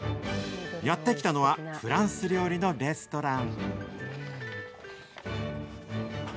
やって来たのはフランス料理のレストラン。